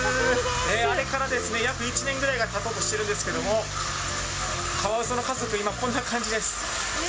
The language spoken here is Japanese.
あれから約１年ぐらいがたとうとしているんですけど、カワウソの家族、今、こんな感じです。